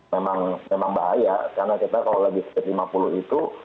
memang bahaya karena kita kalau lebih sekitar lima puluh itu